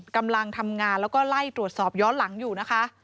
กำลังทำงานแล้วก็ไล่ตรวจสอบย้อนหลังอยู่นะคะ